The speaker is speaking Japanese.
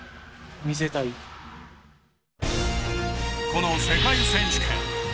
この世界選手権。